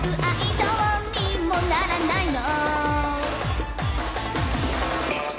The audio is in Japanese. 「どうにもならないの」